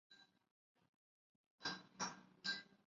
祖父陈鲁宾。